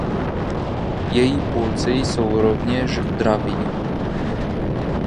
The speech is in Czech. Její pulci jsou rovněž draví.